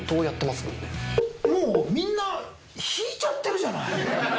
もうみんな引いちゃってるじゃない。